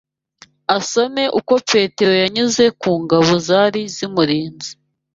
asome uko Petero yanyuze ku ngabo zari zimurinze